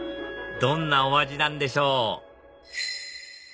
どんなお味なんでしょう？